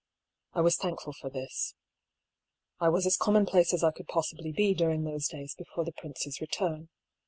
I was thank ful for this. I was as commonplace as I could possibly be during those days before the prince's return.